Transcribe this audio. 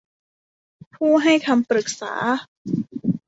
ผู้ให้คำปรึกษา